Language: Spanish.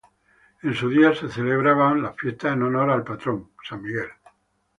En su día se celebraban las fiestas en honor al patrón, San Miguel.